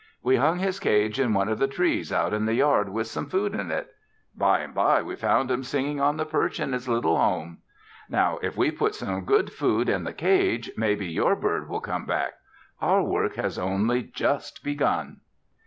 We hung his cage in one of the trees out in the yard with some food in it. By and by, we found him singing on the perch in his little home. Now, if we put some good food in the cage, maybe your bird will come back. Our work has only just begun."